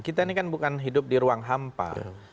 kita ini kan bukan hidup di ruang hampa